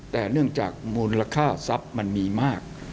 แต่เนื่องจากมูลค่าทรัพย์มันมีมาก